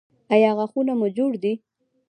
ایا غاښونه مو جوړ کړي دي؟